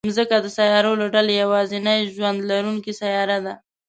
مځکه د سیارو له ډلې یوازینۍ ژوند لرونکې سیاره ده.